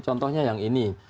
contohnya yang ini